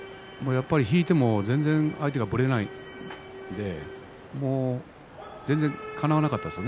引いても相手がぶれないんでかなわなかったですよね